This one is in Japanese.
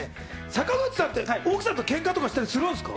坂口さんって奥さんとけんかしたりするんですか？